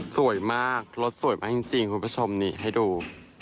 สวยมากรถสวยมากจริงคุณผู้ชมนี่ให้ดู